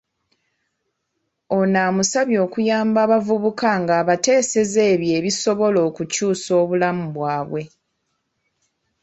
Ono amusabye okuyamba abavubuka ng'abateesezza ebyo ebisobola okukyusa obulamu bwabwe.